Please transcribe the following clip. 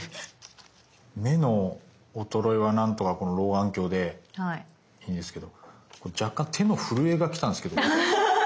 目の衰えはなんとかこの老眼鏡でいいんですけど若干手の震えが来たんすけど。